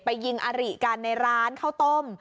ยิงอาริกันในร้านข้าวต้ม